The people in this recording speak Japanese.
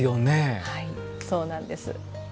はいそうなんです。